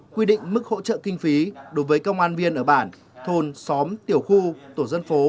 quy định mức hỗ trợ kinh phí đối với công an viên ở bản thôn xóm tiểu khu tổ dân phố